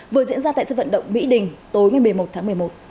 vừa diễn ra tại sân vận động mỹ đình tối ngày một mươi một tháng một mươi một